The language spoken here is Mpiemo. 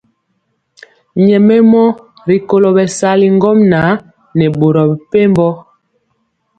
Nyɛmemɔ rikolo bɛsali ŋgomnaŋ nɛ boro mepempɔ.